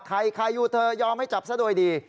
ใครใครอยู่เธอยอมให้จับซะโดยดี